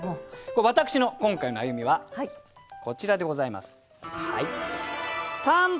私の今回の歩みはこちらでございます。